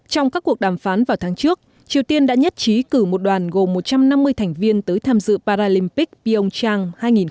trong các cuộc đàm phán vào tháng trước triều tiên đã nhất trí cử một đoàn gồm một trăm năm mươi thành viên tới tham dự paralympics pyeongchang hai nghìn một mươi tám